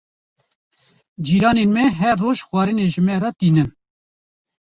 Cîranên me her roj xwarinê ji me re tînin.